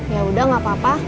yaudah gak apa apa